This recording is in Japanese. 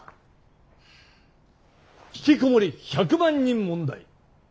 ひきこもり１００万人問題。